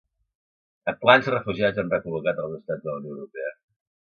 A quants refugiats han recol·locat els estats de la Unió Europea?